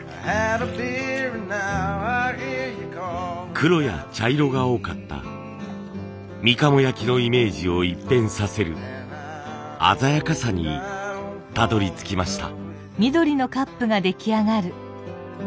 黒や茶色が多かったみかも焼のイメージを一変させる鮮やかさにたどりつきました。